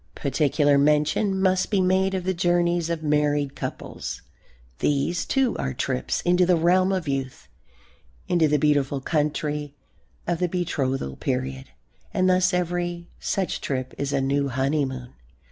Particular mention must be made of the journeys of married couples. These, too, are trips into the realm of youth, into the beautiful country of the betrothal period, and thus every such trip is a new honeymoon.